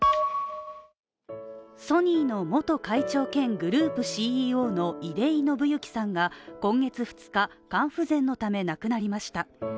ソニーの元会長兼グループＣＥＯの出井伸之さんが今月２日、肝不全のため亡くなりました。